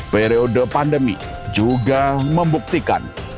periode pandemi juga membuktikan